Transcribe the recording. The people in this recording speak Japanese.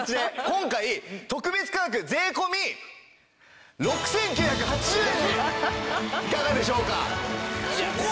今回特別価格税込６９８０円でいかがでしょうか？